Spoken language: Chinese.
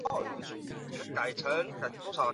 奥比萨尔盖。